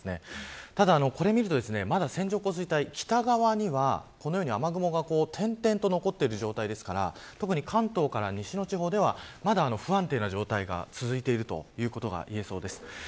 ただ、これを見るとまだ線状降水帯は北側には雨雲が点々と残っている状態ですから特に関東から西の地方では不安定な状態が続いているということが言えそうです。